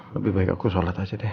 lebih baik aku sholat aja deh